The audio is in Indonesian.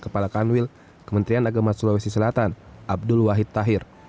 kepala kanwil kementerian agama sulawesi selatan abdul wahid tahir